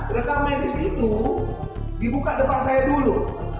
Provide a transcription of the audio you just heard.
rekam medis itu dibuka depan saya dulu